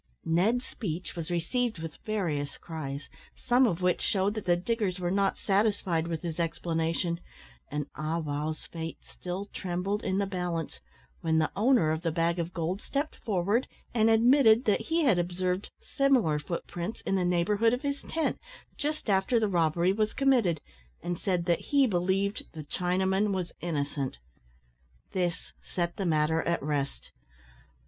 Ned's speech was received with various cries; some of which shewed that the diggers were not satisfied with his explanation, and Ah wow's fate still trembled in the balance, when the owner of the bag of gold stepped forward and admitted that he had observed similar foot marks in the neighbourhood of his tent just after the robbery was committed, and said that he believed the Chinaman was innocent. This set the matter at rest.